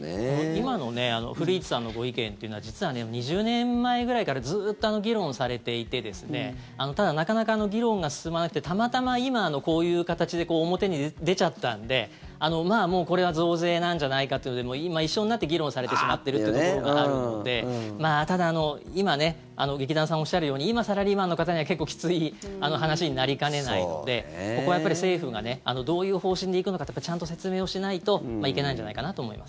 今の古市さんのご意見というのは実は２０年前ぐらいからずっと議論されていてただ、なかなか議論が進まなくてたまたま今、こういう形で表に出ちゃったんでこれは増税なんじゃないかというので今、一緒になって議論されてしまってるというところがあるのでただ、今劇団さんがおっしゃるように今サラリーマンの方には結構きつい話になりかねないのでここは政府がどういう方針で行くのかちゃんと説明をしないといけないんじゃないかなと思います。